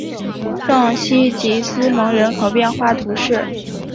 圣西吉斯蒙人口变化图示